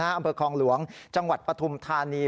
อำเภอคลองหลวงจังหวัดปฐุมธานี